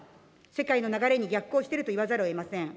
世界の流れに逆行しているといわざるをえません。